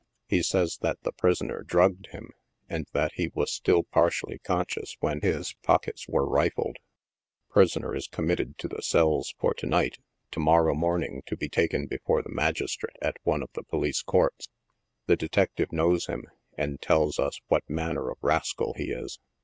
He says that the prisoner drugged him, and that he was still partially conscious when his pockets were rifled. Prisoner is committed to the cells for to night, to morrow morning to be taken before the magistrate at one of the Police Courts. The detective knows him, and tells us what manner of ras cal he is.